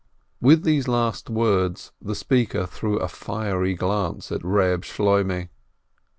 With these last words the speaker threw a fiery glance at Eeb Shloimeh.